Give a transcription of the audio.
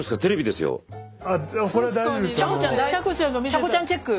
ちゃこちゃんチェック。